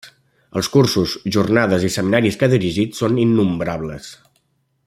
Els cursos, jornades i seminaris que ha dirigit són innombrables.